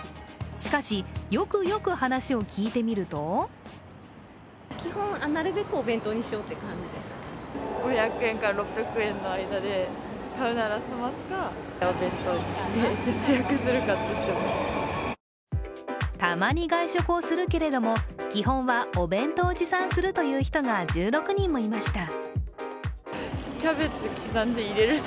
しかし、よくよく話を聞いてみるとたまに外食をするけれども基本はお弁当を持参するという人が１６人もいました。